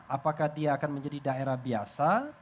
apakah dia akan menjadi daerah biasa